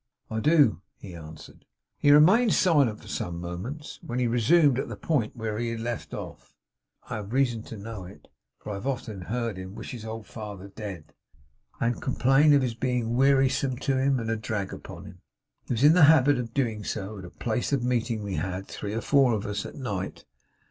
'I do,' he answered. He remained silent for some moments, when he resumed at the point where he had left off. 'I have reason to know it; for I have often heard him wish his old father dead, and complain of his being wearisome to him, and a drag upon him. He was in the habit of doing so, at a place of meeting we had three or four of us at night.